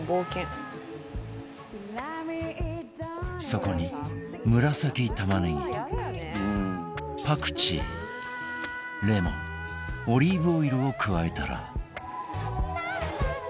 そこに紫玉ねぎパクチーレモンオリーブオイルを加えたら